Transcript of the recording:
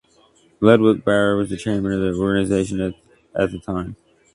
Ludwik Bauer was the chairman of the organisation at the time.